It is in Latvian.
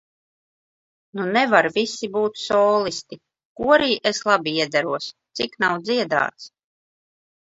Nu nevar visi būt solisti, korī es labi iederos, cik nav dziedāts.